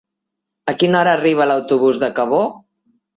A quina hora arriba l'autobús de Cabó?